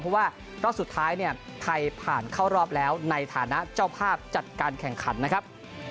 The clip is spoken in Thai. เพราะว่ารอบสุดท้ายเนี่ยไทยผ่านเข้ารอบแล้วในฐานะเจ้าภาพจัดการแข่งขันนะครับ